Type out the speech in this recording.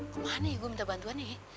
kemana ya gua minta bantuan ya